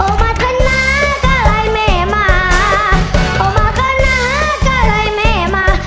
เอามาทะนาก็ไหลแม่มาเอามาทะนาก็ไหลแม่มา